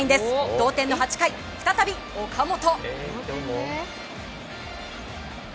同点の８回、再び岡本。